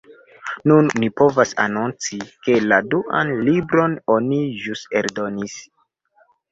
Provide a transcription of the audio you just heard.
Nun ni povas anonci, ke la duan libron oni ĵus eldonis.